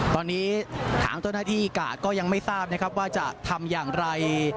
ตอนนี้ทางเจ้าหน้าที่กาดก็ยังไม่ทราบนะครับว่าจะทำอย่างไร